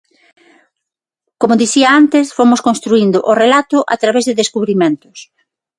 Como dicía antes, fomos construíndo o relato a través de descubrimentos.